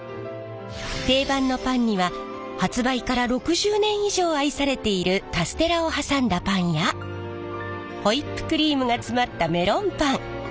定番のパンには発売から６０年以上愛されているカステラを挟んだパンやホイップクリームが詰まったメロンパン。